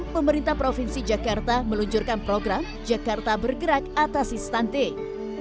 pemerintah provinsi jakarta meluncurkan program jakarta bergerak atasi stunting